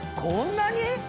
こんなに！？